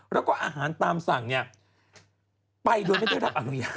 แล้วก็อาหารตามสั่งเนี่ยไปโดยไม่ได้รับอนุญาต